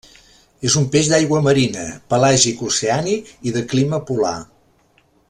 És un peix d'aigua marina, pelàgic-oceànic i de clima polar.